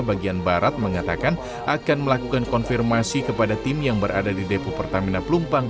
bagian barat mengatakan akan melakukan konfirmasi kepada tim yang berada di depo pertamina pelumpang